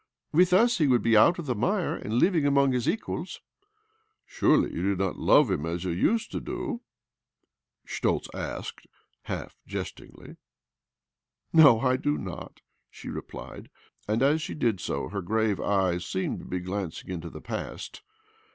With us he would be out of the mire, and living among his equals." ' Surely you do not love him as you used to do?" Schtoltz asked half jestingly. ''No, I do not," she replied (and as she did so her grave eyes seemed to be gazing back into the past).